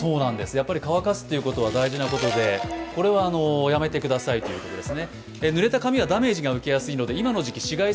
乾かすということは大事なことで、これはやめてくださいということです。